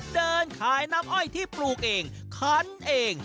เดินขายน้ำอ้อยที่ปลูกเองคันเอง